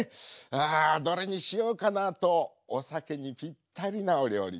あどれにしようかな。とお酒にぴったりなお料理